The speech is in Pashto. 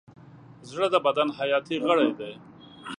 زړه د بدن حیاتي غړی دی.